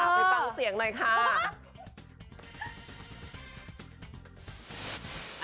ไปฟังเสียงหน่อยค่ะ